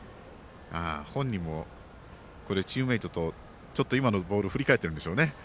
本人も、チームメートとちょっと今のボールを振り返っているんでしょうね。